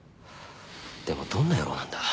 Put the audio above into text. でもどんな野郎なんだ？